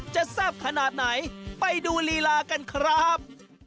แซ่บขนาดไหนไปดูลีลากันครับ